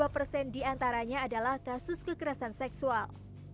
dua puluh dua persen diantaranya adalah kasus kekerasan seksual